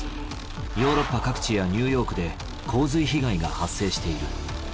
ヨーロッパ各地やニューヨークで洪水被害が発生している。